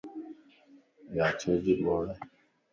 ياچيجي ٻوڙائي